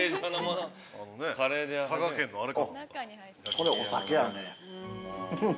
◆これ、お酒やね。